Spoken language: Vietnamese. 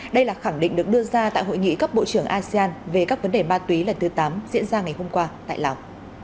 đây là khẳng định được đưa ra tại hội nghị cấp bộ trưởng asean về các vấn đề ma túy lần thứ tám diễn ra ngày hôm qua tại lào